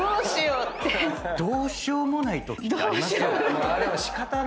どうしようもないときあります。